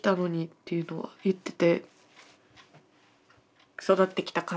っていうのは言ってて。